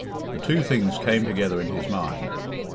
The two things came together in his mind.